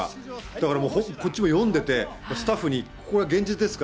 だからもう、こっちも読んでて、スタッフに、これは現実ですか？